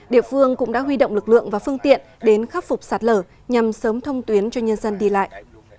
địa phương cũng đã huy động lực lượng và phương tiện đến khắc phục sạt lở nhằm sớm thông tuyến cho nhân dân đi lại